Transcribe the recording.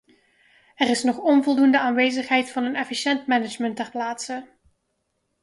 Er is nog onvoldoende aanwezigheid van een efficiënt management ter plaatse.